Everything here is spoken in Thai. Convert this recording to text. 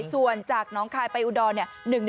ส่วนจากน้องคลายไปอุดรน